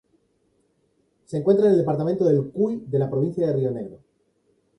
Se encuentra en el departamento El Cuy de la Provincia de Río Negro.